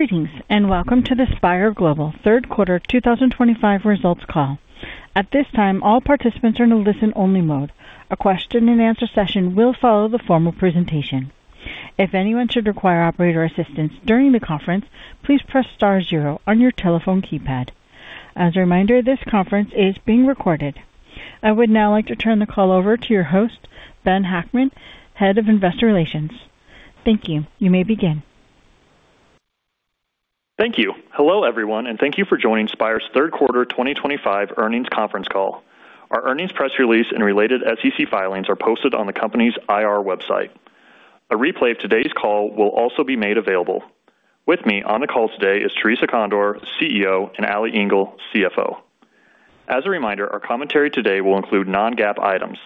Greetings and welcome to the Spire Global third quarter 2025 results call. At this time, all participants are in a listen-only mode. A question-and-answer session will follow the formal presentation. If anyone should require operator assistance during the conference, please press star zero on your telephone keypad. As a reminder, this conference is being recorded. I would now like to turn the call over to your host, Ben Hackman, Head of Investor Relations. Thank you. You may begin. Thank you. Hello, everyone, and thank you for joining Spire's third quarter 2025 earnings conference call. Our earnings press release and related SEC filings are posted on the company's IR website. A replay of today's call will also be made available. With me on the call today is Theresa Condor, CEO, and Alison Engel, CFO. As a reminder, our commentary today will include non-GAAP items.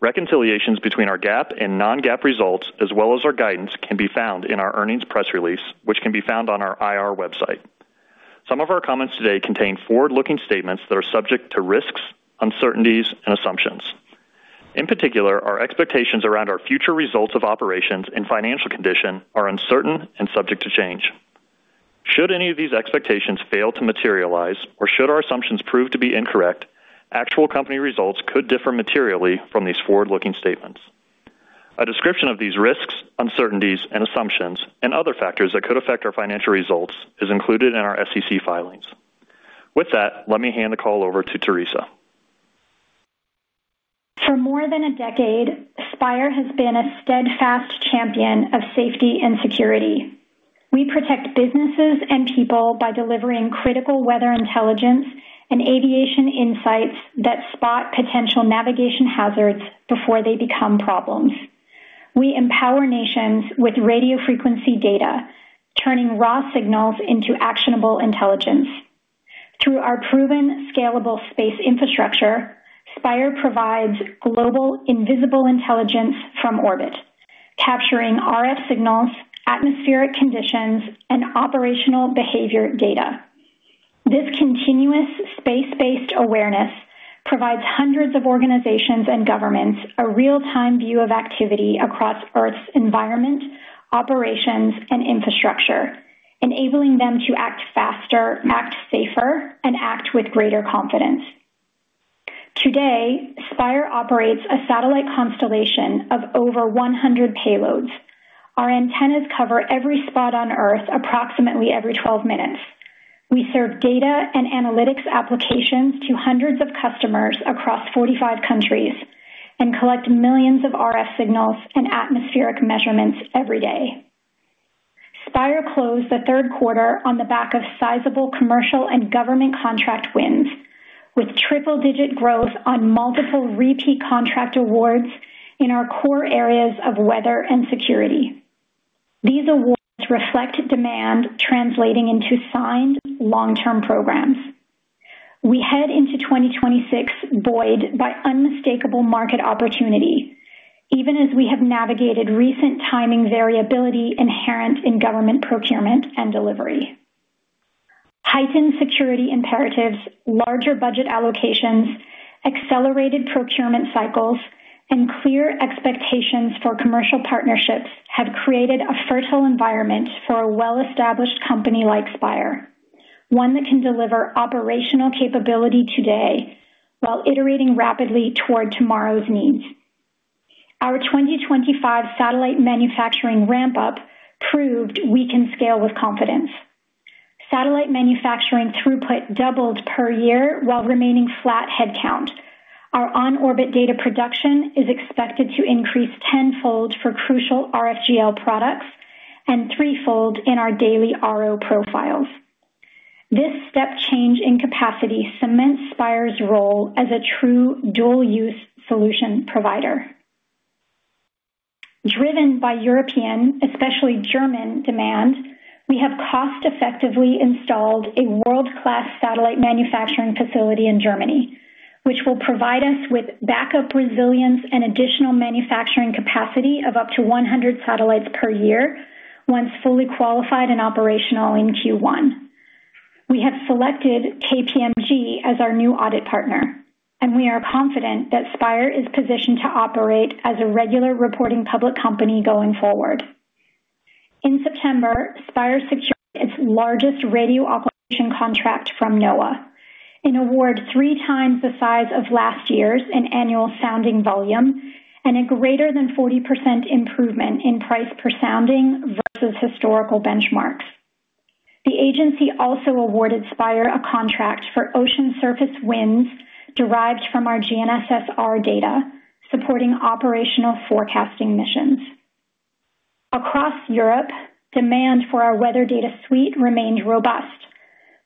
Reconciliations between our GAAP and non-GAAP results, as well as our guidance, can be found in our earnings press release, which can be found on our IR website. Some of our comments today contain forward-looking statements that are subject to risks, uncertainties, and assumptions. In particular, our expectations around our future results of operations and financial condition are uncertain and subject to change. Should any of these expectations fail to materialize, or should our assumptions prove to be incorrect, actual company results could differ materially from these forward-looking statements. A description of these risks, uncertainties, and assumptions, and other factors that could affect our financial results, is included in our SEC filings. With that, let me hand the call over to Theresa. For more than a decade, Spire has been a steadfast champion of safety and security. We protect businesses and people by delivering critical weather intelligence and aviation insights that spot potential navigation hazards before they become problems. We empower nations with radio frequency data, turning raw signals into actionable intelligence. Through our proven, scalable space infrastructure, Spire provides global, invisible intelligence from orbit, capturing RF signals, atmospheric conditions, and operational behavior data. This continuous space-based awareness provides hundreds of organizations and governments a real-time view of activity across Earth's environment, operations, and infrastructure, enabling them to act faster, act safer, and act with greater confidence. Today, Spire operates a satellite constellation of over 100 payloads. Our antennas cover every spot on Earth approximately every 12 minutes. We serve data and analytics applications to hundreds of customers across 45 countries and collect millions of RF signals and atmospheric measurements every day. Spire closed the third quarter on the back of sizable commercial and government contract wins, with triple-digit growth on multiple repeat contract awards in our core areas of weather and security. These awards reflect demand translating into signed long-term programs. We head into 2026 buoyed by unmistakable market opportunity, even as we have navigated recent timing variability inherent in government procurement and delivery. Heightened security imperatives, larger budget allocations, accelerated procurement cycles, and clear expectations for commercial partnerships have created a fertile environment for a well-established company like Spire, one that can deliver operational capability today while iterating rapidly toward tomorrow's needs. Our 2025 satellite manufacturing ramp-up proved we can scale with confidence. Satellite manufacturing throughput doubled per year while remaining flat headcount. Our on-orbit data production is expected to increase tenfold for crucial RF geolocation products and threefold in our daily RO profiles. This step change in capacity cements Spire's role as a true dual-use solution provider. Driven by European, especially German, demand, we have cost-effectively installed a world-class satellite manufacturing facility in Germany, which will provide us with backup resilience and additional manufacturing capacity of up to 100 satellites per year once fully qualified and operational in Q1. We have selected KPMG as our new audit partner, and we are confident that Spire is positioned to operate as a regular reporting public company going forward. In September, Spire secured its largest radio occultation contract from NOAA, an award three times the size of last year's in annual sounding volume and a greater than 40% improvement in price per sounding versus historical benchmarks. The agency also awarded Spire a contract for ocean surface winds derived from our GNSS-R data supporting operational forecasting missions. Across Europe, demand for our weather data suite remained robust.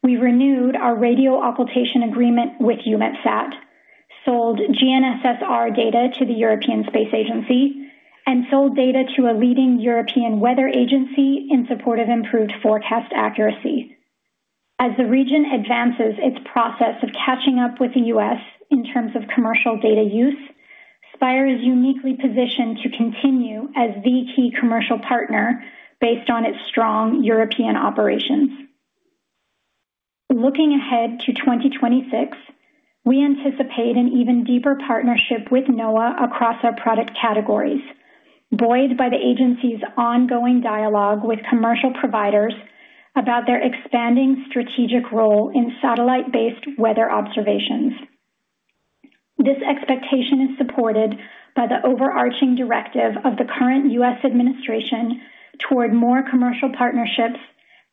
We renewed our radio occultation agreement with EUMETSAT, sold GNSS-R data to the European Space Agency, and sold data to a leading European weather agency in support of improved forecast accuracy. As the region advances its process of catching up with the U.S. in terms of commercial data use, Spire is uniquely positioned to continue as the key commercial partner based on its strong European operations. Looking ahead to 2026, we anticipate an even deeper partnership with NOAA across our product categories, buoyed by the agency's ongoing dialogue with commercial providers about their expanding strategic role in satellite-based weather observations. This expectation is supported by the overarching directive of the current U.S. administration toward more commercial partnerships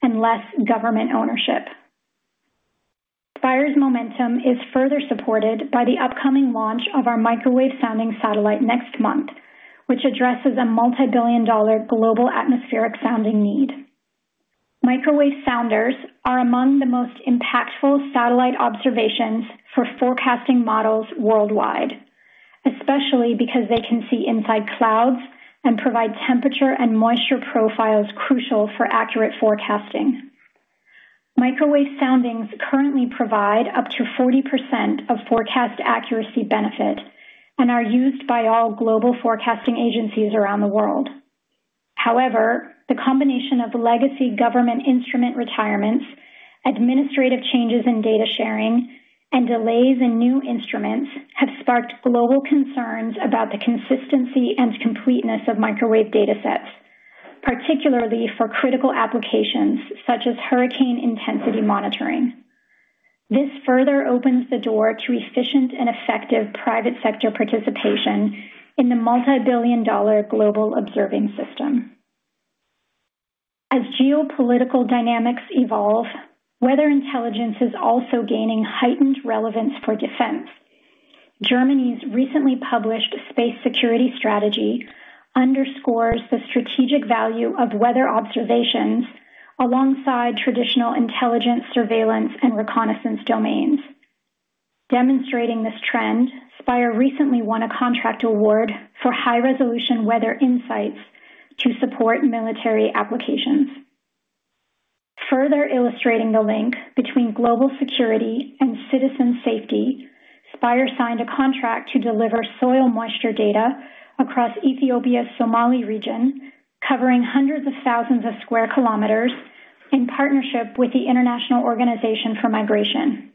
and less government ownership. Spire's momentum is further supported by the upcoming launch of our microwave sounding satellite next month, which addresses a multi-billion-dollar global atmospheric sounding need. Microwave sounders are among the most impactful satellite observations for forecasting models worldwide, especially because they can see inside clouds and provide temperature and moisture profiles crucial for accurate forecasting. Microwave soundings currently provide up to 40% of forecast accuracy benefit and are used by all global forecasting agencies around the world. However, the combination of legacy government instrument retirements, administrative changes in data sharing, and delays in new instruments have sparked global concerns about the consistency and completeness of microwave data sets, particularly for critical applications such as hurricane intensity monitoring. This further opens the door to efficient and effective private sector participation in the multi-billion dollar global observing system. As geopolitical dynamics evolve, weather intelligence is also gaining heightened relevance for defense. Germany's recently published Space Security Strategy underscores the strategic value of weather observations alongside traditional intelligence surveillance and reconnaissance domains. Demonstrating this trend, Spire recently won a contract award for high-resolution weather insights to support military applications. Further illustrating the link between global security and citizen safety, Spire signed a contract to deliver soil moisture data across Ethiopia's Somali Region, covering hundreds of thousands of square kilometers in partnership with the International Organization for Migration.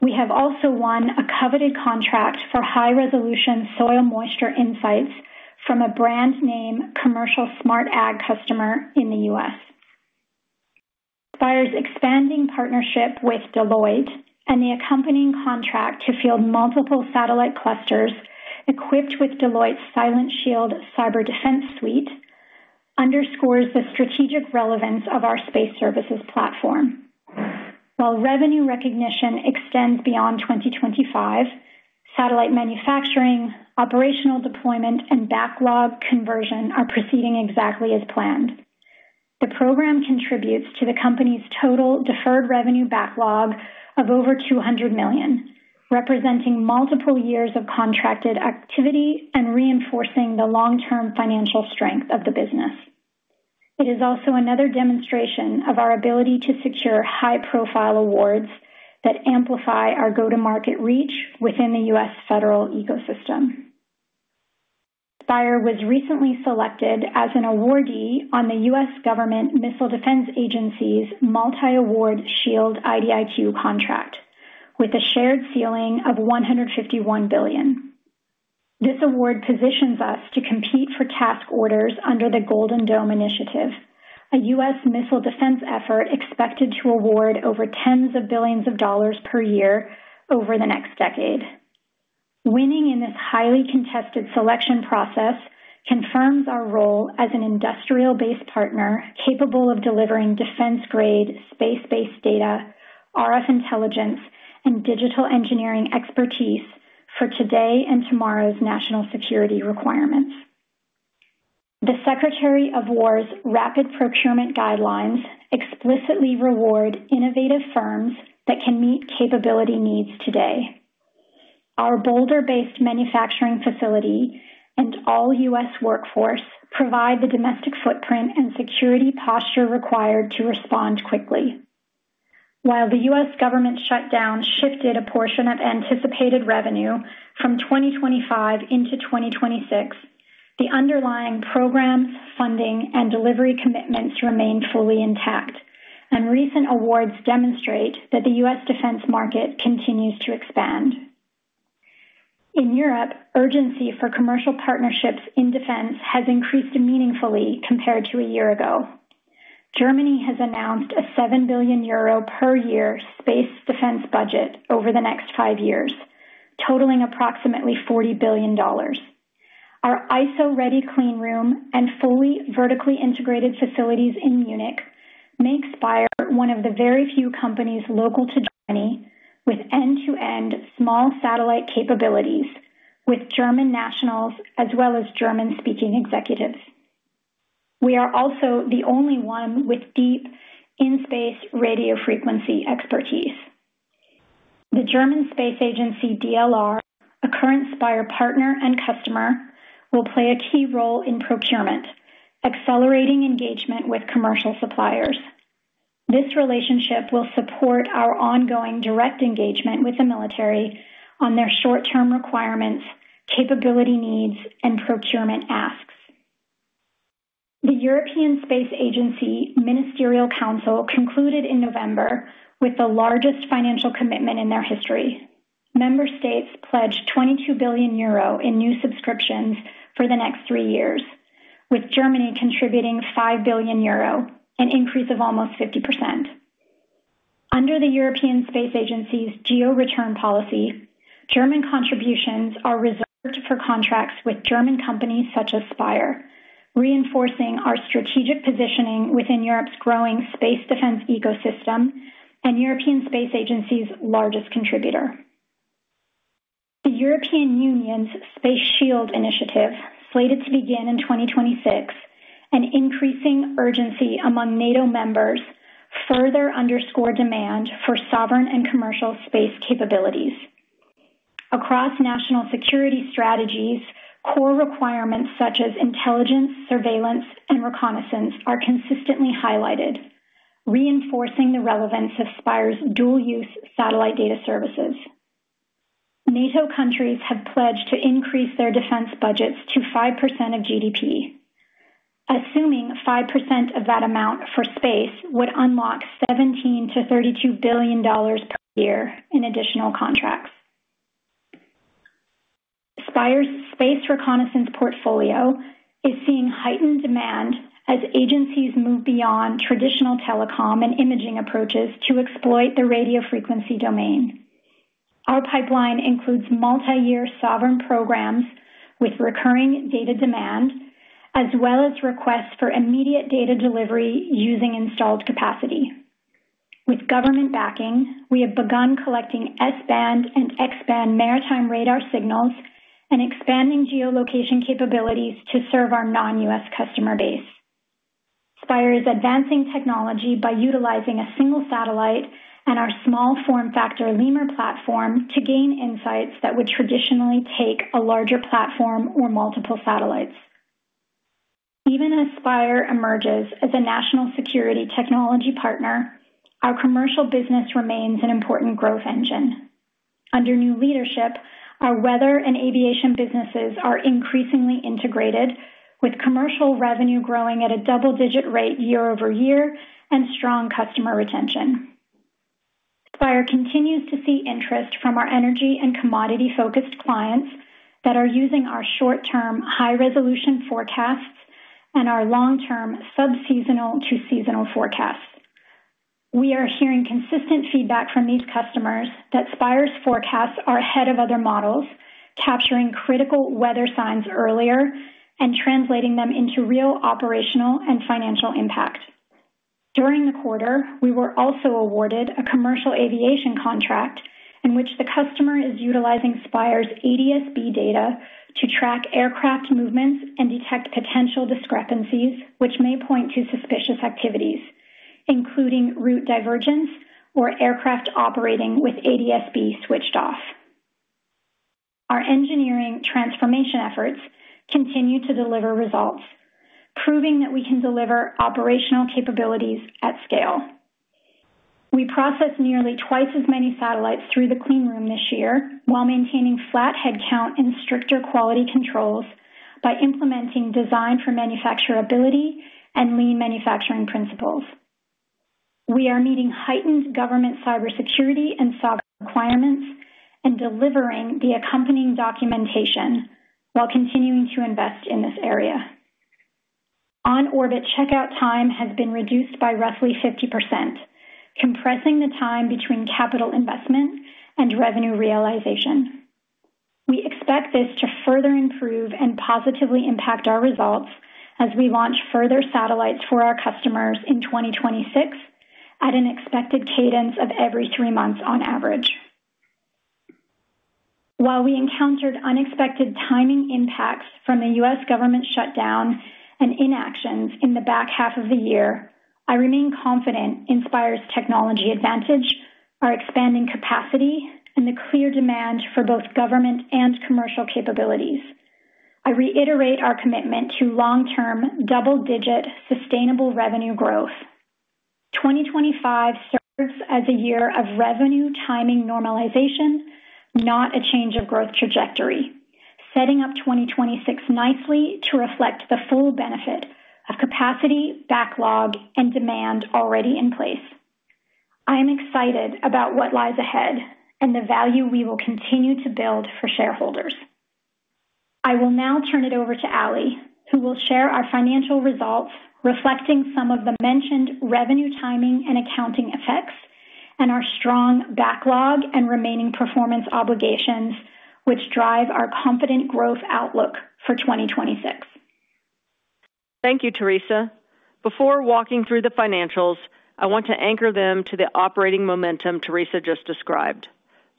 We have also won a coveted contract for high-resolution soil moisture insights from a brand name commercial smart ag customer in the U.S. Spire's expanding partnership with Deloitte and the accompanying contract to field multiple satellite clusters equipped with Deloitte's Silent Shield Cyber Defense Suite underscores the strategic relevance of our space services platform. While revenue recognition extends beyond 2025, satellite manufacturing, operational deployment, and backlog conversion are proceeding exactly as planned. The program contributes to the company's total deferred revenue backlog of over $200 million, representing multiple years of contracted activity and reinforcing the long-term financial strength of the business. It is also another demonstration of our ability to secure high-profile awards that amplify our go-to-market reach within the U.S. federal ecosystem. Spire was recently selected as an awardee on the U.S. government Missile Defense Agency's multi-award Uncertain contract, with a shared ceiling of $151 billion. This award positions us to compete for task orders under the Uncertain, a U.S. missile defense effort expected to award over tens of billions of dollars per year over the next decade. Winning in this highly contested selection process confirms our role as an industrial-based partner capable of delivering defense-grade space-based data, RF intelligence, and digital engineering expertise for today and tomorrow's national security requirements. The Secretary of Defense's rapid procurement guidelines explicitly reward innovative firms that can meet capability needs today. Our Boulder-based manufacturing facility and all U.S. workforce provide the domestic footprint and security posture required to respond quickly. While the U.S. government shutdown shifted a portion of anticipated revenue from 2025 into 2026, the underlying programs, funding, and delivery commitments remain fully intact, and recent awards demonstrate that the U.S. defense market continues to expand. In Europe, urgency for commercial partnerships in defense has increased meaningfully compared to a year ago. Germany has announced a 7 billion euro per year space defense budget over the next five years, totaling approximately $40 billion. Our ISO-ready cleanroom and fully vertically integrated facilities in Munich make Spire one of the very few companies local to Germany with end-to-end small satellite capabilities, with German nationals as well as German-speaking executives. We are also the only one with deep in-space radio frequency expertise. The German space agency DLR, a current Spire partner and customer, will play a key role in procurement, accelerating engagement with commercial suppliers. This relationship will support our ongoing direct engagement with the military on their short-term requirements, capability needs, and procurement asks. The European Space Agency Ministerial Council concluded in November with the largest financial commitment in their history. Member states pledged 22 billion euro in new subscriptions for the next three years, with Germany contributing 5 billion euro, an increase of almost 50%. Under the European Space Agency's Geo-return policy, German contributions are reserved for contracts with German companies such as Spire, reinforcing our strategic positioning within Europe's growing space defense ecosystem and European Space Agency's largest contributor. The European Sky Shield Initiative, slated to begin in 2026, and increasing urgency among NATO members further underscore demand for sovereign and commercial space capabilities. Across national security strategies, core requirements such as intelligence, surveillance, and reconnaissance are consistently highlighted, reinforcing the relevance of Spire's dual-use satellite data services. NATO countries have pledged to increase their defense budgets to 5% of GDP. Assuming 5% of that amount for space would unlock $17-$32 billion per year in additional contracts. Spire's space reconnaissance portfolio is seeing heightened demand as agencies move beyond traditional telecom and imaging approaches to exploit the radio frequency domain. Our pipeline includes multi-year sovereign programs with recurring data demand, as well as requests for immediate data delivery using installed capacity. With government backing, we have begun collecting S-band and X-band maritime radar signals and expanding geolocation capabilities to serve our non-U.S. customer base. Spire is advancing technology by utilizing a single satellite and our small form factor LEMUR platform to gain insights that would traditionally take a larger platform or multiple satellites. Even as Spire emerges as a national security technology partner, our commercial business remains an important growth engine. Under new leadership, our weather and aviation businesses are increasingly integrated, with commercial revenue growing at a double-digit rate year-over-year and strong customer retention. Spire continues to see interest from our energy and commodity-focused clients that are using our short-term high-resolution forecasts and our long-term sub-seasonal to seasonal forecasts. We are hearing consistent feedback from these customers that Spire's forecasts are ahead of other models, capturing critical weather signs earlier and translating them into real operational and financial impact. During the quarter, we were also awarded a commercial aviation contract in which the customer is utilizing Spire's ADS-B data to track aircraft movements and detect potential discrepancies, which may point to suspicious activities, including route divergence or aircraft operating with ADS-B switched off. Our engineering transformation efforts continue to deliver results, proving that we can deliver operational capabilities at scale. We process nearly twice as many satellites through the cleanroom this year while maintaining flat headcount and stricter quality controls by implementing design for manufacturability and lean manufacturing principles. We are meeting heightened government cybersecurity and sovereign requirements and delivering the accompanying documentation while continuing to invest in this area. On-orbit checkout time has been reduced by roughly 50%, compressing the time between capital investment and revenue realization. We expect this to further improve and positively impact our results as we launch further satellites for our customers in 2026 at an expected cadence of every three months on average. While we encountered unexpected timing impacts from the U.S. government shutdown and inactions in the back half of the year, I remain confident in Spire's technology advantage, our expanding capacity, and the clear demand for both government and commercial capabilities. I reiterate our commitment to long-term double-digit sustainable revenue growth. 2025 serves as a year of revenue timing normalization, not a change of growth trajectory, setting up 2026 nicely to reflect the full benefit of capacity, backlog, and demand already in place. I am excited about what lies ahead and the value we will continue to build for shareholders. I will now turn it over to Ally, who will share our financial results reflecting some of the mentioned revenue timing and accounting effects and our strong backlog and remaining performance obligations, which drive our confident growth outlook for 2026. Thank you, Theresa. Before walking through the financials, I want to anchor them to the operating momentum Theresa just described.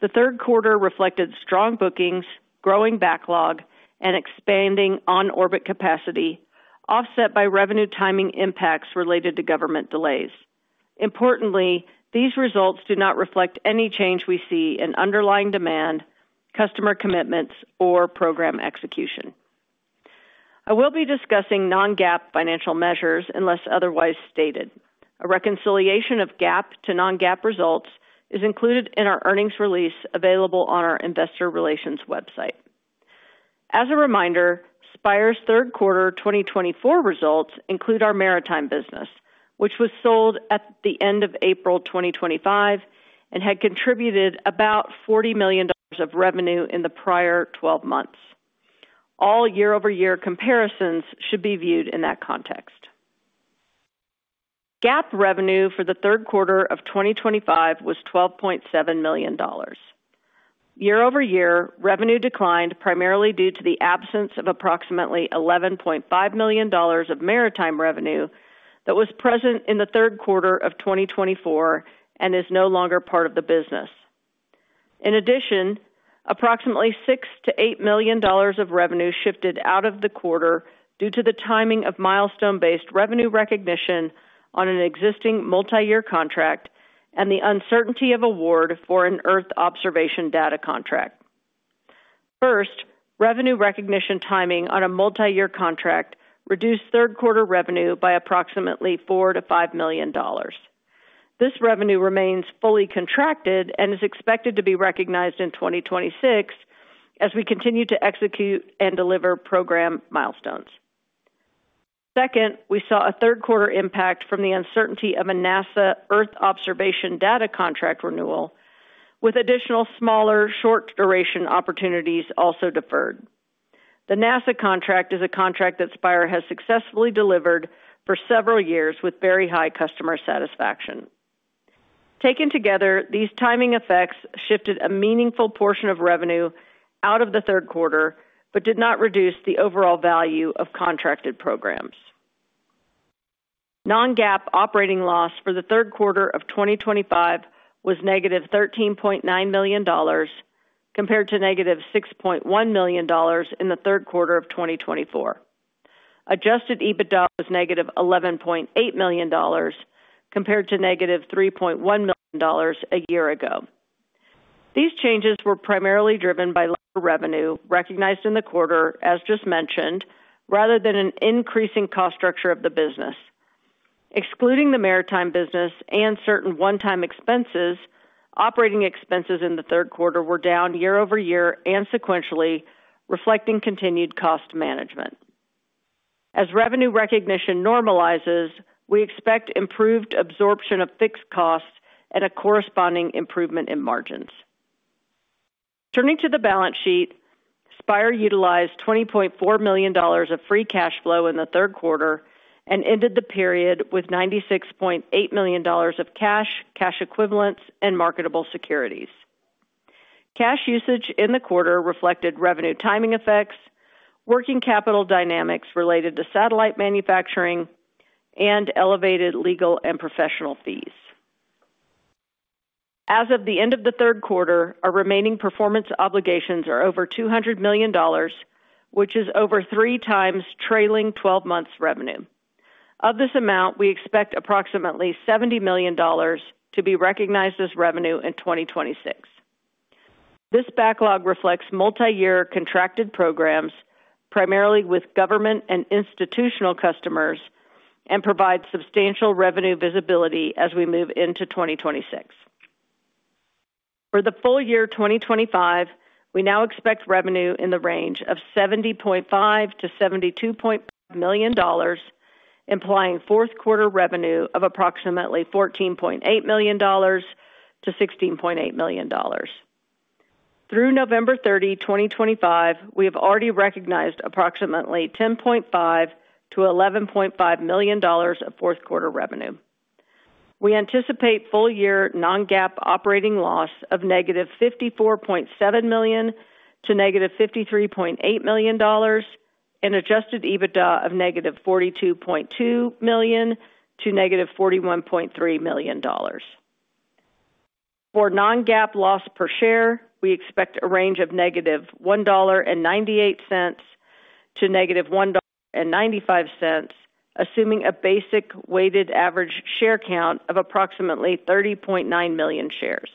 The third quarter reflected strong bookings, growing backlog, and expanding on-orbit capacity, offset by revenue timing impacts related to government delays. Importantly, these results do not reflect any change we see in underlying demand, customer commitments, or program execution. I will be discussing non-GAAP financial measures unless otherwise stated. A reconciliation of GAAP to non-GAAP results is included in our earnings release available on our investor relations website. As a reminder, Spire's third quarter 2024 results include our maritime business, which was sold at the end of April 2025 and had contributed about $40 million of revenue in the prior 12 months. All year-over-year comparisons should be viewed in that context. GAAP revenue for the third quarter of 2025 was $12.7 million. Year-over-year, revenue declined primarily due to the absence of approximately $11.5 million of maritime revenue that was present in the third quarter of 2024 and is no longer part of the business. In addition, approximately $6-$8 million of revenue shifted out of the quarter due to the timing of milestone-based revenue recognition on an existing multi-year contract and the uncertainty of award for an Earth observation data contract. First, revenue recognition timing on a multi-year contract reduced third quarter revenue by approximately $4-$5 million. This revenue remains fully contracted and is expected to be recognized in 2026 as we continue to execute and deliver program milestones. Second, we saw a third quarter impact from the uncertainty of a NASA Earth observation data contract renewal, with additional smaller short-duration opportunities also deferred. The NASA contract is a contract that Spire has successfully delivered for several years with very high customer satisfaction. Taken together, these timing effects shifted a meaningful portion of revenue out of the third quarter but did not reduce the overall value of contracted programs. Non-GAAP operating loss for the third quarter of 2025 was -$13.9 million compared to -$6.1 million in the third quarter of 2024. Adjusted EBITDA was -$11.8 million compared to -$3.1 million a year ago. These changes were primarily driven by revenue recognized in the quarter, as just mentioned, rather than an increasing cost structure of the business. Excluding the maritime business and certain one-time expenses, operating expenses in the third quarter were down year-over-year and sequentially, reflecting continued cost management. As revenue recognition normalizes, we expect improved absorption of fixed costs and a corresponding improvement in margins. Turning to the balance sheet, Spire utilized $20.4 million of free cash flow in the third quarter and ended the period with $96.8 million of cash, cash equivalents, and marketable securities. Cash usage in the quarter reflected revenue timing effects, working capital dynamics related to satellite manufacturing, and elevated legal and professional fees. As of the end of the third quarter, our Remaining Performance Obligations are over $200 million, which is over three times trailing 12 months revenue. Of this amount, we expect approximately $70 million to be recognized as revenue in 2026. This backlog reflects multi-year contracted programs, primarily with government and institutional customers, and provides substantial revenue visibility as we move into 2026. For the full year 2025, we now expect revenue in the range of $70.5-$72.5 million, implying fourth quarter revenue of approximately $14.8-$16.8 million. Through November 30, 2025, we have already recognized approximately $10.5-$11.5 million of fourth quarter revenue. We anticipate full year non-GAAP operating loss of negative $54.7-$53.8 million and Adjusted EBITDA of negative $42.2-$41.3 million. For non-GAAP loss per share, we expect a range of negative $1.98 to negative $1.95, assuming a basic weighted average share count of approximately 30.9 million shares.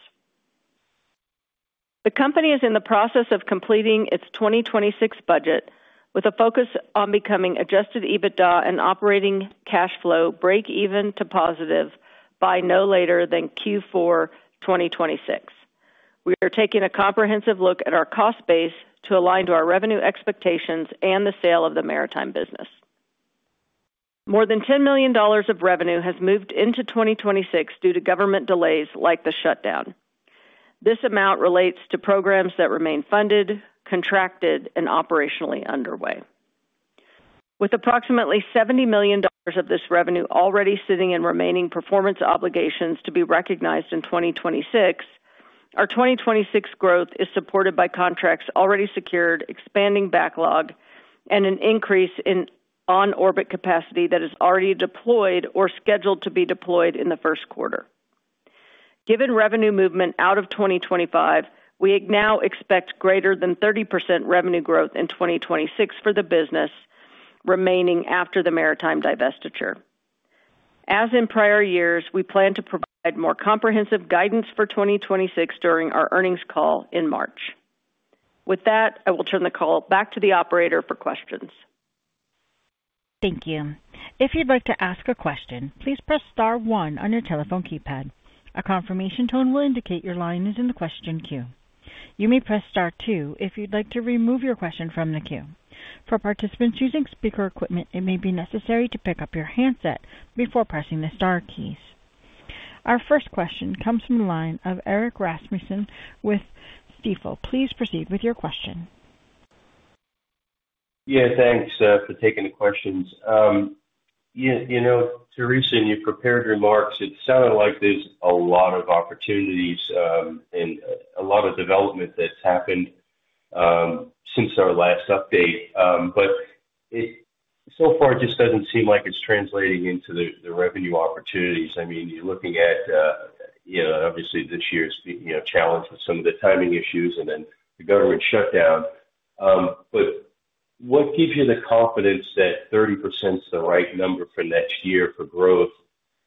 The company is in the process of completing its 2026 budget with a focus on becoming Adjusted EBITDA and operating cash flow break-even to positive by no later than Q4 2026. We are taking a comprehensive look at our cost base to align to our revenue expectations and the sale of the maritime business. More than $10 million of revenue has moved into 2026 due to government delays like the shutdown. This amount relates to programs that remain funded, contracted, and operationally underway. With approximately $70 million of this revenue already sitting in Remaining Performance Obligations to be recognized in 2026, our 2026 growth is supported by contracts already secured, expanding backlog, and an increase in on-orbit capacity that is already deployed or scheduled to be deployed in the first quarter. Given revenue movement out of 2025, we now expect greater than 30% revenue growth in 2026 for the business remaining after the maritime divestiture. As in prior years, we plan to provide more comprehensive guidance for 2026 during our earnings call in March. With that, I will turn the call back to the operator for questions. Thank you. If you'd like to ask a question, please press Star 1 on your telephone keypad. A confirmation tone will indicate your line is in the question queue. You may press Star 2 if you'd like to remove your question from the queue. For participants using speaker equipment, it may be necessary to pick up your handset before pressing the Star keys. Our first question comes from the line of Erik Rasmussen with Stifel. Please proceed with your question. Yeah, thanks for taking the questions. You know, Theresa, in your prepared remarks, it sounded like there's a lot of opportunities and a lot of development that's happened since our last update. But so far, it just doesn't seem like it's translating into the revenue opportunities. I mean, you're looking at, you know, obviously this year's challenge with some of the timing issues and then the government shutdown. But what gives you the confidence that 30% is the right number for next year for growth?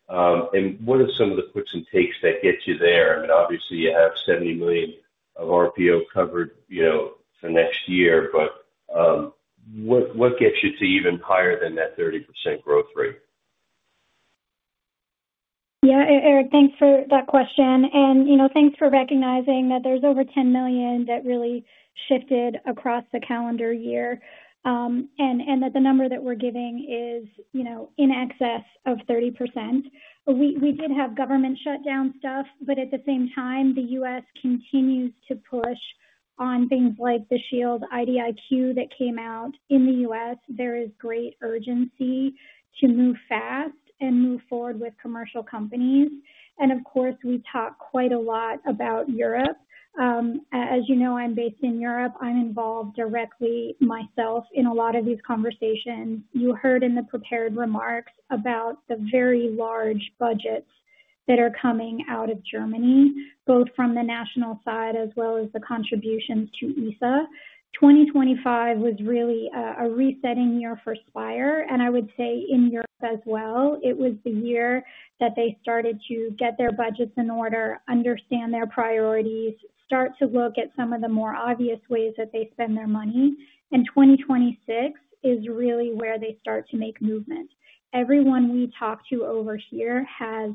And what are some of the quicks and takes that get you there? I mean, obviously you have $70 million of RPO covered, you know, for next year, but what gets you to even higher than that 30% growth rate? Yeah, Erik, thanks for that question. You know, thanks for recognizing that there's over 10 million that really shifted across the calendar year and that the number that we're giving is, you know, in excess of 30%. We did have government shutdown stuff, but at the same time, the U.S. continues to push on things like the Uncertain that came out in the U.S. There is great urgency to move fast and move forward with commercial companies. And of course, we talk quite a lot about Europe. As you know, I'm based in Europe. I'm involved directly myself in a lot of these conversations. You heard in the prepared remarks about the very large budgets that are coming out of Germany, both from the national side as well as the contributions to ESA. 2025 was really a resetting year for Spire, and I would say in Europe as well. It was the year that they started to get their budgets in order, understand their priorities, start to look at some of the more obvious ways that they spend their money, and 2026 is really where they start to make movement. Everyone we talk to over here has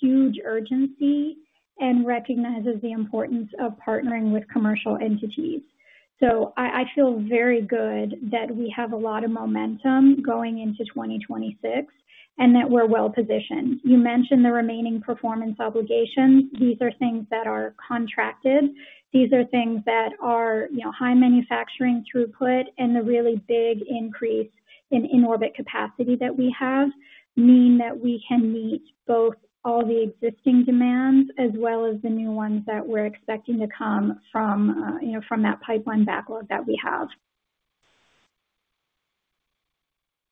huge urgency and recognizes the importance of partnering with commercial entities, so I feel very good that we have a lot of momentum going into 2026 and that we're well positioned. You mentioned the remaining performance obligations. These are things that are contracted. These are things that are, you know, high manufacturing throughput and the really big increase in in-orbit capacity that we have mean that we can meet both all the existing demands as well as the new ones that we're expecting to come from, you know, from that pipeline backlog that we have.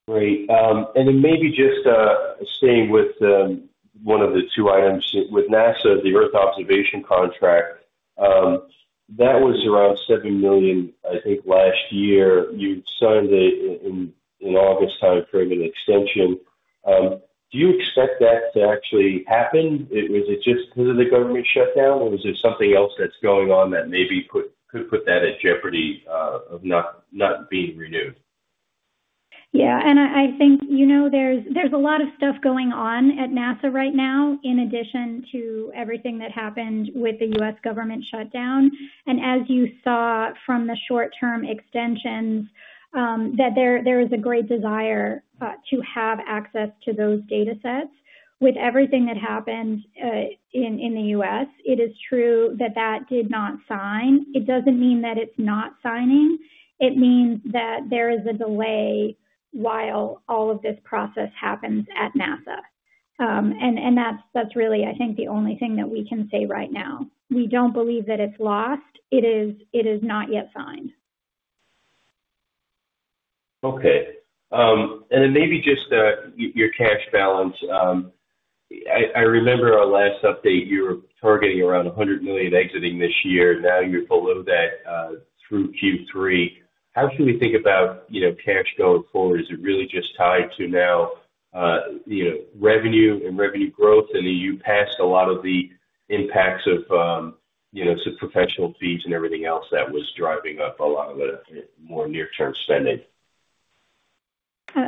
Great. and then maybe just staying with one of the two items with NASA, the Earth observation contract. That was around $7 million, I think, last year. You signed it in August time frame and extension. Do you expect that to actually happen? Was it just because of the government shutdown, or was there something else that's going on that maybe could put that at jeopardy of not being renewed? Yeah, and I think, you know, there's a lot of stuff going on at NASA right now in addition to everything that happened with the U.S. government shutdown. And as you saw from the short-term extensions, that there is a great desire to have access to those data sets. With everything that happened in the U.S., it is true that that did not sign. It doesn't mean that it's not signing. It means that there is a delay while all of this process happens at NASA. And that's really, I think, the only thing that we can say right now. We don't believe that it's lost. It is not yet signed. Okay. And then maybe just your cash balance. I remember our last update, you were targeting around $100 million exiting this year. Now you're below that through Q3. How should we think about, you know, cash going forward? Is it really just tied to now, you know, revenue and revenue growth? And you passed a lot of the impacts of, you know, some professional fees and everything else that was driving up a lot of the more near-term spending.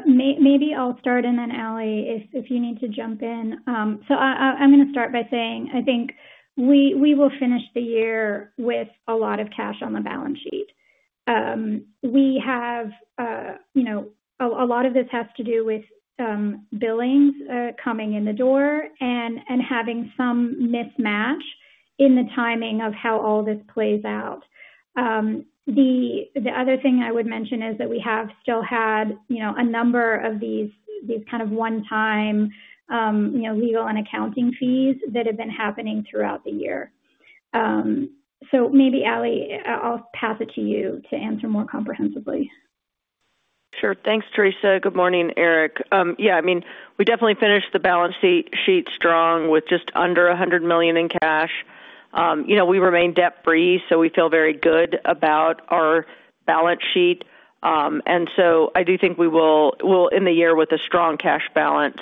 Maybe I'll start, and then Ally, if you need to jump in. So I'm going to start by saying I think we will finish the year with a lot of cash on the balance sheet. We have, you know, a lot of this has to do with billings coming in the door and having some mismatch in the timing of how all this plays out. The other thing I would mention is that we have still had, you know, a number of these kind of one-time, you know, legal and accounting fees that have been happening throughout the year. So maybe, Ally, I'll pass it to you to answer more comprehensively. Sure. Thanks, Theresa. Good morning, Erik. Yeah, I mean, we definitely finished the balance sheet strong with just under $100 million in cash. You know, we remain debt-free, so we feel very good about our balance sheet. And so I do think we will, we'll end the year with a strong cash balance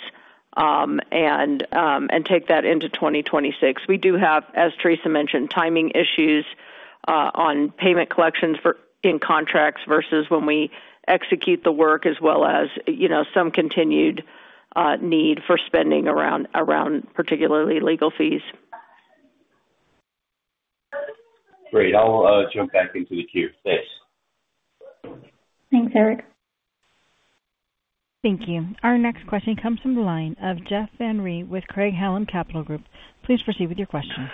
and take that into 2026. We do have, as Theresa mentioned, timing issues on payment collections in contracts versus when we execute the work, as well as, you know, some continued need for spending around particularly legal fees. Great. I'll jump back into the queue. Thanks. Thanks, Erik. Thank you. Our next question comes from the line of Jeff Van Rhee with Craig-Hallum Capital Group. Please proceed with your question.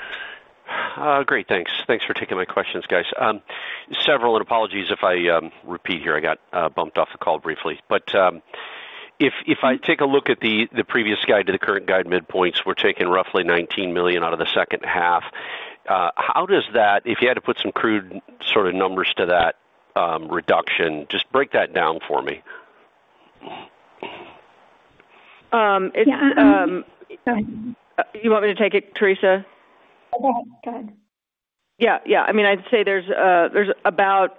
Great. Thanks. Thanks for taking my questions, guys. Several, and apologies if I repeat here. I got bumped off the call briefly. But if I take a look at the previous guide to the current guide midpoints, we're taking roughly $19 million out of the second half. How does that, if you had to put some crude sort of numbers to that reduction, just break that down for me. You want me to take it, Theresa? Go ahead. Yeah. Yeah. I mean, I'd say there's about,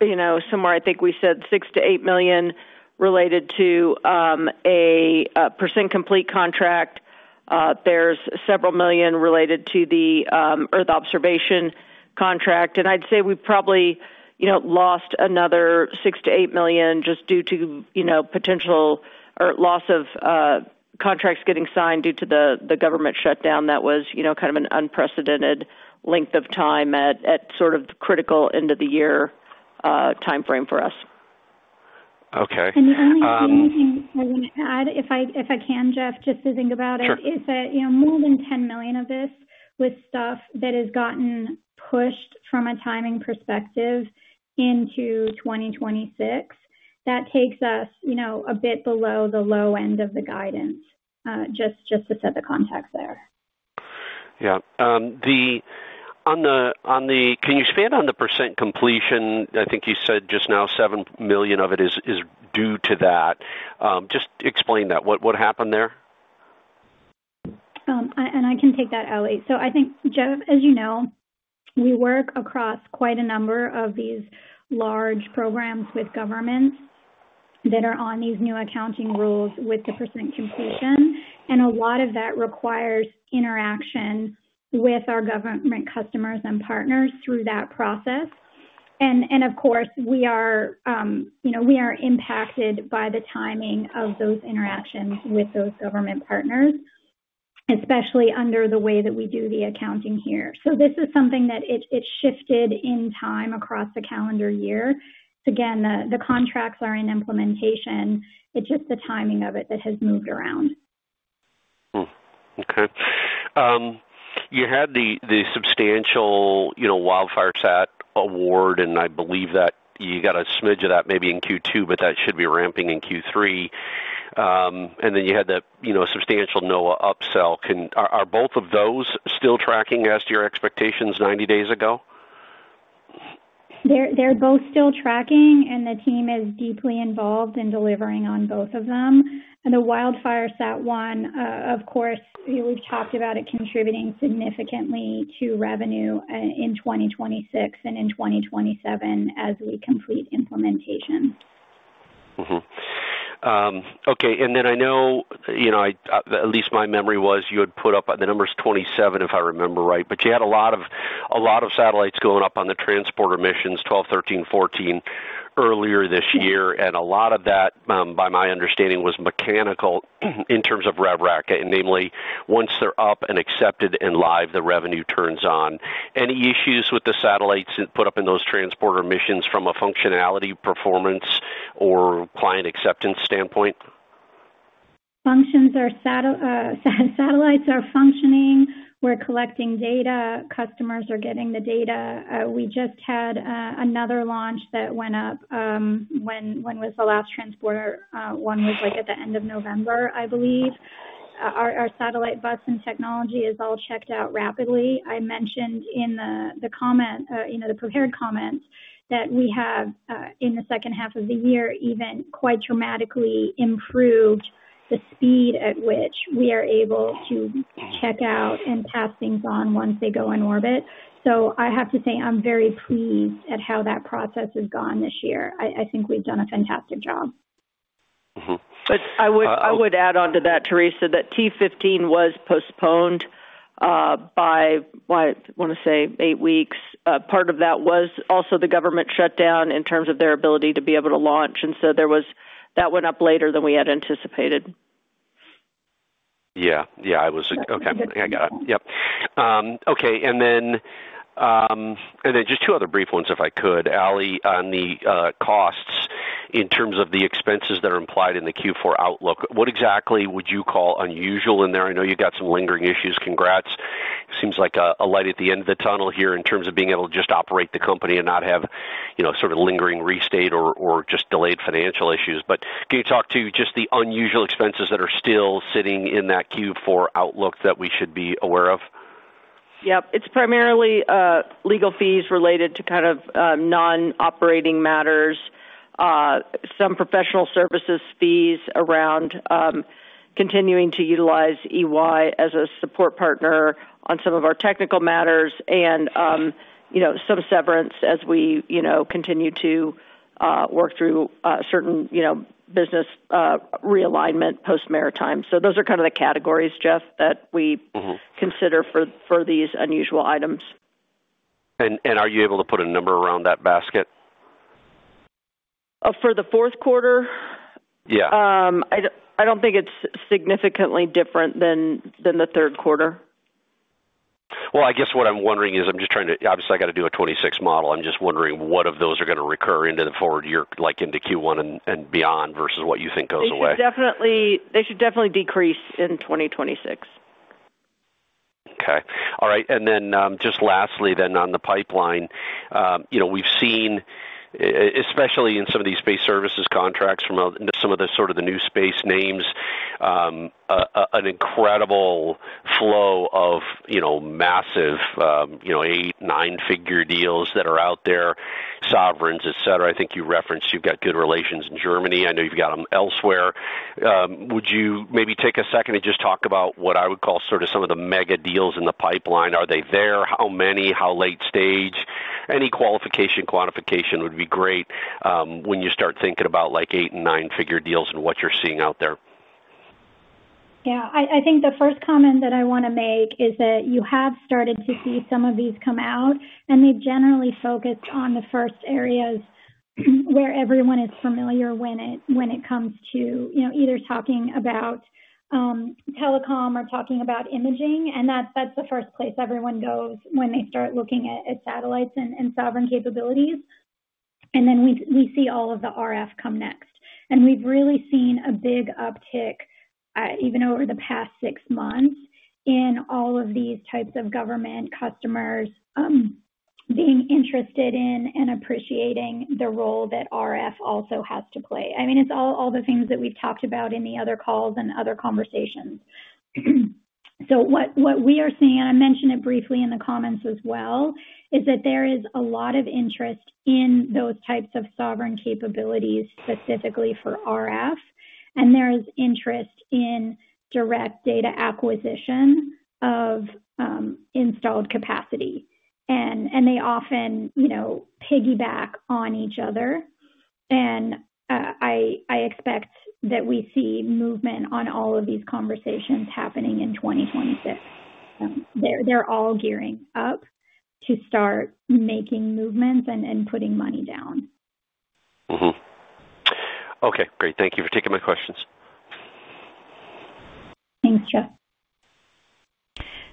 you know, somewhere I think we said $6 million-$8 million related to a percent complete contract. There's several million related to the Earth observation contract. And I'd say we probably, you know, lost another $6 million-$8 million just due to, you know, potential or loss of contracts getting signed due to the government shutdown. That was, you know, kind of an unprecedented length of time at sort of the critical end of the year time frame for us. Okay. The only thing I want to add, if I can, Jeff, just to think about it, is that, you know, more than $10 million of this with stuff that has gotten pushed from a timing perspective into 2026, that takes us, you know, a bit below the low end of the guidance, just to set the context there. Yeah. On the, can you expand on the percent completion? I think you said just now $7 million of it is due to that. Just explain that. What happened there? I can take that, Ally. I think, Jeff, as you know, we work across quite a number of these large programs with governments that are on these new accounting rules with the percent completion. And a lot of that requires interaction with our government customers and partners through that process. Of course, we are, you know, we are impacted by the timing of those interactions with those government partners, especially under the way that we do the accounting here. So this is something that it shifted in time across the calendar year. So again, the contracts are in implementation. It's just the timing of it that has moved around. Okay. You had the substantial, you know, WildFireSat award, and I believe that you got a smidge of that maybe in Q2, but that should be ramping in Q3. And then you had the, you know, substantial NOAA upsell. Are both of those still tracking as to your expectations 90 days ago? They're both still tracking, and the team is deeply involved in delivering on both of them. The WildFireSat one, of course, we've talked about it contributing significantly to revenue in 2026 and 2027 as we complete implementation. Okay. Then I know, you know, at least my memory was you had put up the number is 27 if I remember right, but you had a lot of satellites going up on the Transporter missions 12, 13, 14 earlier this year. A lot of that, by my understanding, was mechanical in terms of Rev Rec, namely once they're up and accepted and live, the revenue turns on. Any issues with the satellites put up in those Transporter missions from a functionality, performance, or client acceptance standpoint? Satellites are functioning. We're collecting data. Customers are getting the data. We just had another launch that went up. When was the last Transporter? One was like at the end of November, I believe. Our satellite bus and technology is all checked out rapidly. I mentioned in the comment, you know, the prepared comment that we have in the second half of the year even quite dramatically improved the speed at which we are able to check out and pass things on once they go in orbit. So I have to say I'm very pleased at how that process has gone this year. I think we've done a fantastic job. But I would add on to that, Theresa, that T15 was postponed by, I want to say, eight weeks. Part of that was also the government shutdown in terms of their ability to be able to launch. And so there was that went up later than we had anticipated. Yeah. Yeah. I was okay. I got it. Yep. Okay. Then just two other brief ones, if I could, Ally, on the costs in terms of the expenses that are implied in the Q4 outlook. What exactly would you call unusual in there? I know you got some lingering issues. Congrats. Seems like a light at the end of the tunnel here in terms of being able to just operate the company and not have, you know, sort of lingering restate or just delayed financial issues. But can you talk to just the unusual expenses that are still sitting in that Q4 outlook that we should be aware of? Yep. It's primarily legal fees related to kind of non-operating matters, some professional services fees around continuing to utilize EY as a support partner on some of our technical matters and, you know, some severance as we, you know, continue to work through certain, you know, business realignment post-maritime. So those are kind of the categories, Jeff, that we consider for these unusual items. And are you able to put a number around that basket? For the fourth quarter? Yeah. I don't think it's significantly different than the third quarter. Well, I guess what I'm wondering is I'm just trying to, obviously, I got to do a 2026 model. I'm just wondering what of those are going to recur into the forward year, like into Q1 and beyond versus what you think goes away. They should definitely decrease in 2026. Okay. All right. And then just lastly, then on the pipeline, you know, we've seen, especially in some of these space services contracts from some of the sort of the new space names, an incredible flow of, you know, massive, you know, eight, nine-figure deals that are out there, sovereigns, etc. I think you referenced you've got good relations in Germany. I know you've got them elsewhere. Would you maybe take a second and just talk about what I would call sort of some of the mega deals in the pipeline? Are they there? How many? How late stage? Any qualification quantification would be great when you start thinking about like eight and nine-figure deals and what you're seeing out there. Yeah. I think the first comment that I want to make is that you have started to see some of these come out, and they've generally focused on the first areas where everyone is familiar when it comes to, you know, either talking about telecom or talking about imaging, and that's the first place everyone goes when they start looking at satellites and sovereign capabilities, and then we see all of the RF come next. We've really seen a big uptick even over the past six months in all of these types of government customers being interested in and appreciating the role that RF also has to play. I mean, it's all the things that we've talked about in the other calls and other conversations. What we are seeing, and I mentioned it briefly in the comments as well, is that there is a lot of interest in those types of sovereign capabilities specifically for RF. There is interest in direct data acquisition of installed capacity. They often, you know, piggyback on each other. I expect that we see movement on all of these conversations happening in 2026. They're all gearing up to start making movements and putting money down. Okay. Great. Thank you for taking my questions. Thanks, Jeff.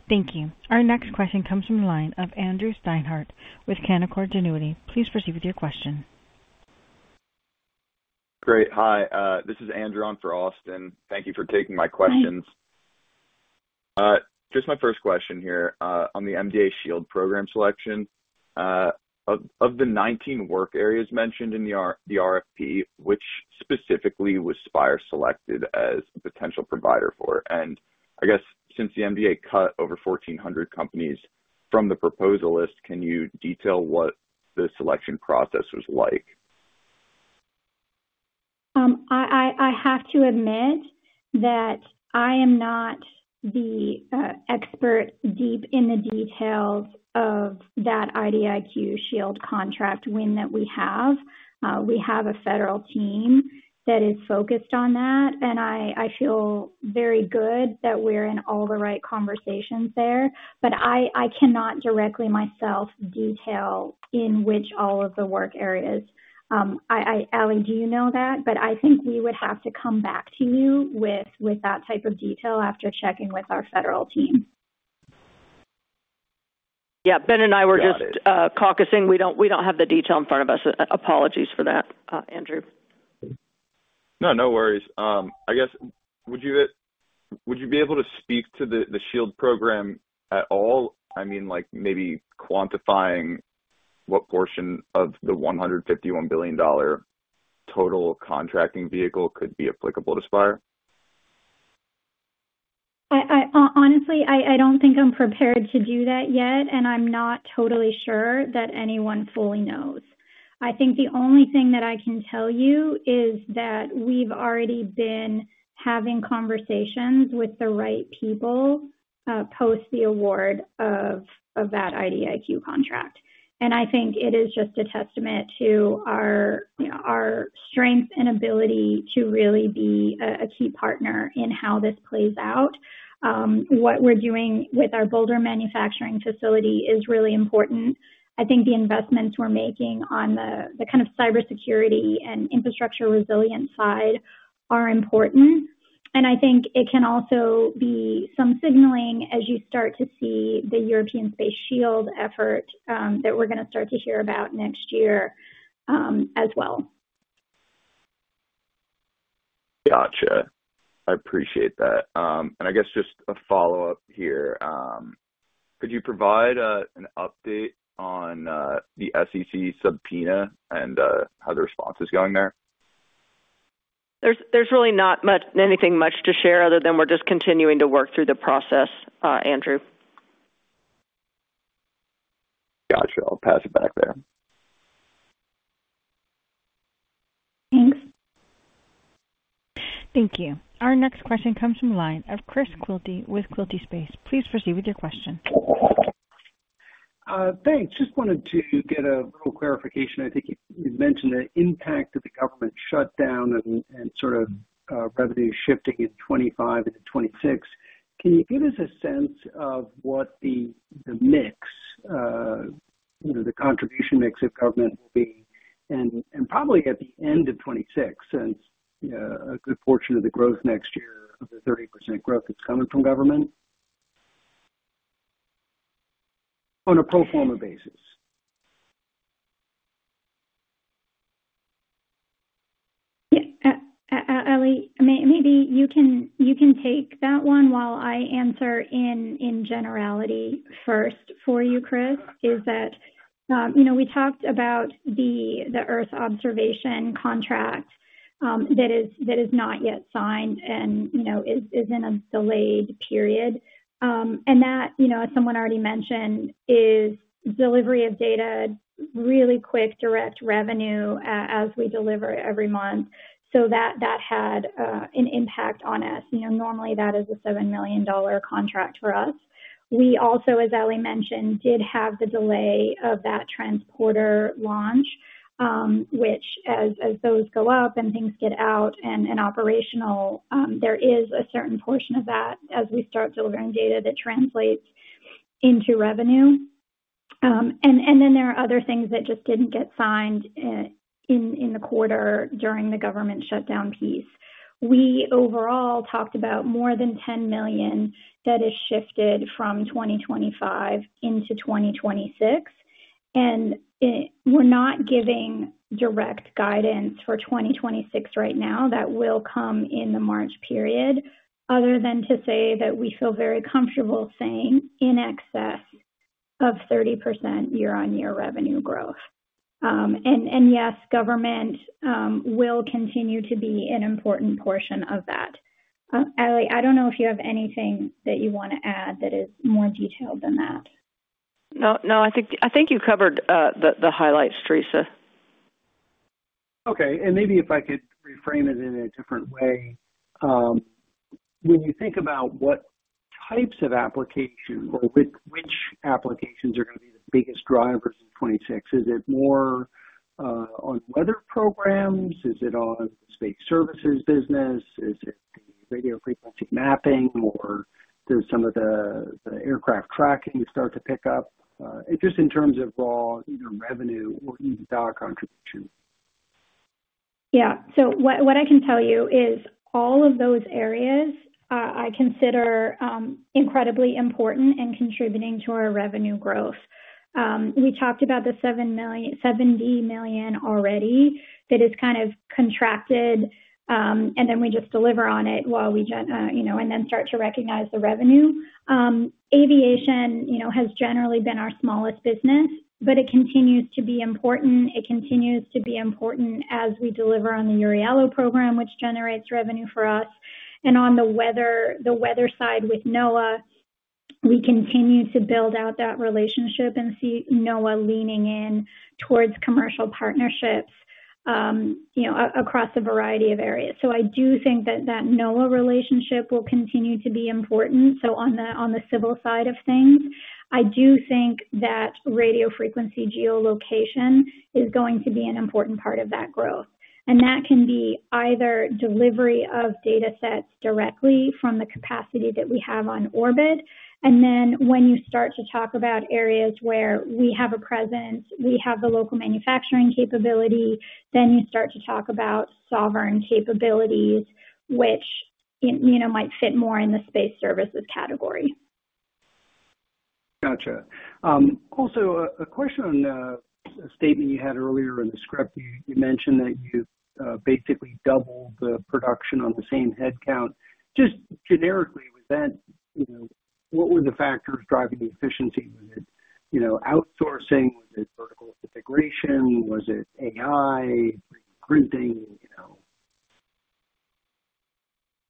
Thank you. Our next question comes from the line of Andrew Steinhardt with Canaccord Genuity. Please proceed with your question. Great. Hi. This is Andrew on for Austin. Thank you for taking my questions. Just my first question here on the MDA Shield program selection. Of the 19 work areas mentioned in the RFP, which specifically was Spire selected as a potential provider for? And I guess since the MDA cut over 1,400 companies from the proposal list, can you detail what the selection process was like? I have to admit that I am not the expert deep in the details of that IDIQ Shield contract win that we have. We have a federal team that is focused on that. And I feel very good that we're in all the right conversations there. But I cannot directly myself detail in which all of the work areas. Ally, do you know that? But I think we would have to come back to you with that type of detail after checking with our federal team. Yeah. Ben and I were just caucusing. We don't have the detail in front of us. Apologies for that, Andrew. No, no worries. I guess, would you be able to speak to the Shield program at all? I mean, like maybe quantifying what portion of the $151 billion total contracting vehicle could be applicable to Spire? Honestly, I don't think I'm prepared to do that yet, and I'm not totally sure that anyone fully knows. I think the only thing that I can tell you is that we've already been having conversations with the right people post the award of that IDIQ contract. And I think it is just a testament to our strength and ability to really be a key partner in how this plays out. What we're doing with our Boulder manufacturing facility is really important. I think the investments we're making on the kind of cybersecurity and infrastructure resilience side are important. And I think it can also be some signaling as you start to see the European Space Shield effort that we're going to start to hear about next year as well. Gotcha. I appreciate that. And I guess just a follow-up here. Could you provide an update on the SEC subpoena and how the response is going there? There's really not anything much to share other than we're just continuing to work through the process, Andrew. Gotcha. I'll pass it back there. Thanks. Thank you. Our next question comes from the line of Chris Quilty with Quilty Space. Please proceed with your question. Thanks. Just wanted to get a little clarification. I think you've mentioned the impact of the government shutdown and sort of revenue shifting in 2025 and 2026. Can you give us a sense of what the mix, the contribution mix of government will be and probably at the end of 2026, since a good portion of the growth next year of the 30% growth that's coming from government on a pro forma basis? Ally, maybe you can take that one while I answer in generality first for you, Chris. Is that, you know, we talked about the Earth observation contract that is not yet signed and, you know, is in a delayed period. And that, you know, as someone already mentioned, is delivery of data, really quick direct revenue as we deliver every month. So that had an impact on us. You know, normally that is a $7 million contract for us. We also, as Ally mentioned, did have the delay of that Transporter launch, which as those go up and things get out and operational, there is a certain portion of that as we start delivering data that translates into revenue. And then there are other things that just didn't get signed in the quarter during the government shutdown piece. We overall talked about more than $10 million that is shifted from 2025 into 2026. And we're not giving direct guidance for 2026 right now, that will come in the March period other than to say that we feel very comfortable saying in excess of 30% year-on-year revenue growth. And yes, government will continue to be an important portion of that. Ally, I don't know if you have anything that you want to add that is more detailed than that. No, no. I think you covered the highlights, Theresa. Okay. Maybe if I could reframe it in a different way. When you think about what types of applications or which applications are going to be the biggest drivers in 2026, is it more on weather programs? Is it on the space services business? Is it the radio frequency mapping or does some of the aircraft tracking start to pick up? Just in terms of raw either revenue or EBITDA contribution. Yeah. So what I can tell you is all of those areas I consider incredibly important and contributing to our revenue growth. We talked about the $70 million already that is kind of contracted, and then we just deliver on it while we, you know, and then start to recognize the revenue. Aviation, you know, has generally been our smallest business, but it continues to be important. It continues to be important as we deliver on the EURIALO program, which generates revenue for us. And on the weather side with NOAA, we continue to build out that relationship and see NOAA leaning in towards commercial partnerships, you know, across a variety of areas. So I do think that that NOAA relationship will continue to be important. So on the civil side of things, I do think that radio frequency geolocation is going to be an important part of that growth. And that can be either delivery of data sets directly from the capacity that we have on orbit. And then when you start to talk about areas where we have a presence, we have the local manufacturing capability, then you start to talk about sovereign capabilities, which, you know, might fit more in the space services category. Gotcha. Also, a question on a statement you had earlier in the script. You mentioned that you basically doubled the production on the same headcount. Just generically, was that, you know, what were the factors driving the efficiency? Was it, you know, outsourcing? Was it vertical integration? Was it AI, 3D printing, you know?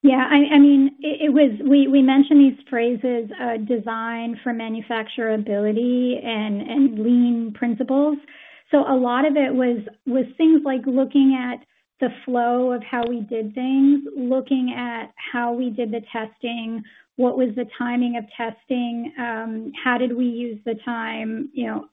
Yeah. I mean, it was. We mentioned these phrases, Design for Manufacturability and lean principles. So a lot of it was things like looking at the flow of how we did things, looking at how we did the testing, what was the timing of testing, how did we use the time, you know,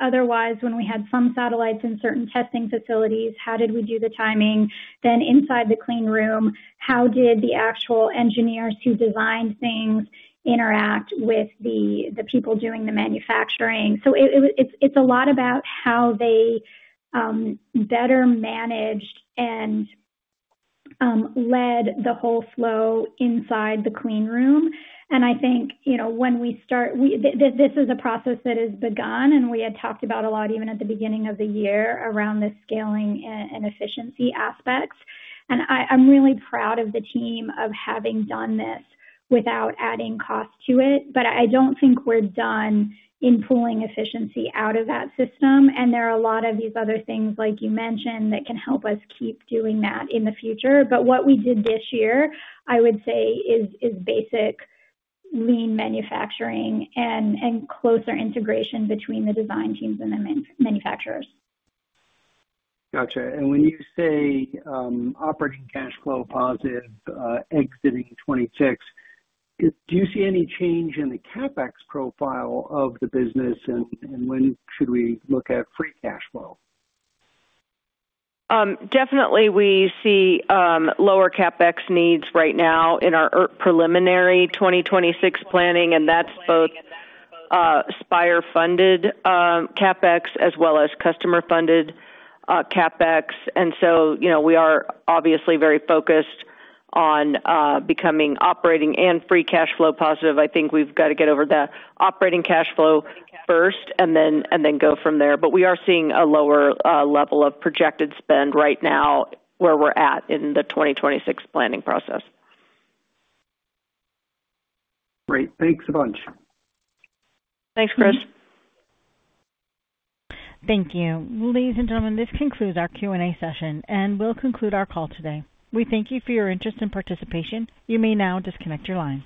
otherwise when we had some satellites in certain testing facilities, how did we do the timing? Then inside the cleanroom, how did the actual engineers who designed things interact with the people doing the manufacturing? So it's a lot about how they better managed and led the whole flow inside the cleanroom. And I think, you know, when we start, this is a process that has begun, and we had talked about a lot even at the beginning of the year around the scaling and efficiency aspects. And I'm really proud of the team of having done this without adding cost to it. But I don't think we're done in pulling efficiency out of that system. And there are a lot of these other things, like you mentioned, that can help us keep doing that in the future. But what we did this year, I would say, is basic lean manufacturing and closer integration between the design teams and the manufacturers. Gotcha. And when you say operating cash flow positive exiting 2026, do you see any change in the CapEx profile of the business, and when should we look at free cash flow? Definitely, we see lower CapEx needs right now in our preliminary 2026 planning, and that's both Spire-funded CapEx as well as customer-funded CapEx. And so, you know, we are obviously very focused on becoming operating and free cash flow positive. I think we've got to get over the operating cash flow first and then go from there. But we are seeing a lower level of projected spend right now where we're at in the 2026 planning process. Great. Thanks a bunch. Thanks, Chris. Thank you. Ladies and gentlemen, this concludes our Q&A session, and we'll conclude our call today. We thank you for your interest and participation. You may now disconnect your line.